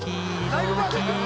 ライブバージョン？